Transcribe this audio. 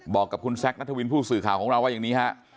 บอกกับคุณแซคนัทวินผู้สื่อข่าวของเราว่าอย่างนี้ฮะ